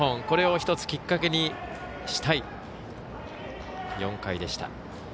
これを１つ、きっかけにしたい４回でした。